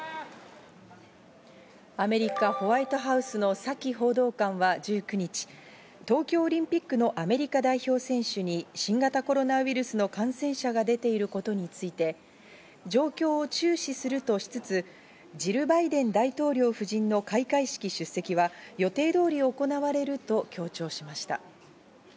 アメリカ・ホワイトハウスのサキ報道官は１９日、東京オリンピックのアメリカ代表選手に新型コロナウイルスの感染者が出ていることについて状況を注視するとしつつ、ジル・バイデン大統領夫人の開会式出席は予定通り行われると強調しました。